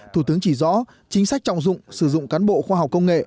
thủ tướng chỉ rõ chính sách trọng dụng sử dụng cán bộ khoa học công nghệ